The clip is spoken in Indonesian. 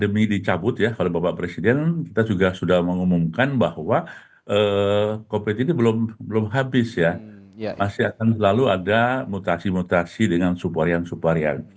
masih akan selalu ada mutasi mutasi dengan sub varian sub varian